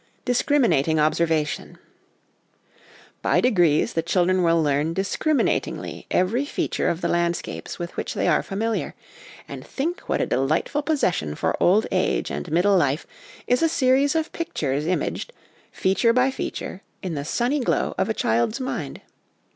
Discriminating Observation. By degrees the children will leam discriminatingly every feature of the landscapes with which they are familiar ; and think what a delightful possession for old age and middle life is a series of pictures imaged, feature by feature, in the sunny glow of a child's mind